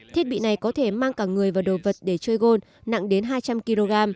thiết bị này có thể mang cả người và đồ vật để chơi gold nặng đến hai trăm linh kg